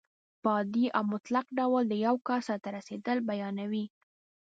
په عادي او مطلق ډول د یو کار سرته رسېدل بیانیوي.